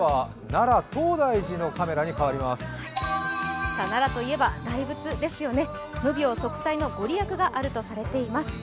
奈良といえば大仏ですよね、無病息災の御利益があるとされています。